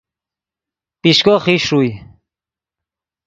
پیشکو خیش ݰوئے